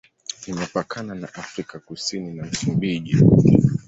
Imepakana na Afrika Kusini na Msumbiji.